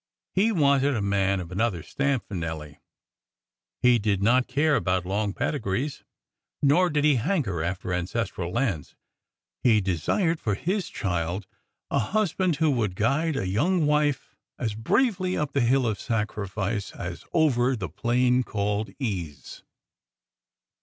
He wanted a man of another stamp for Nelly. He did not care about long pedigrees, nor did he hanker after ancestral lands. He desired for his child a husband who would guide a young wife as bravely up the hill of Sacrifice as over the plain called Ease.